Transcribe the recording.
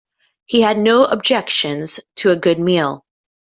He had no objections to a good meal.